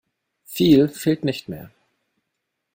Viel fehlt nicht mehr.